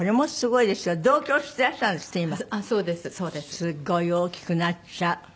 すごい大きくなっちゃうねっ。